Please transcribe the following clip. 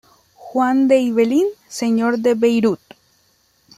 Juan de Ibelín, Señor de Beirut.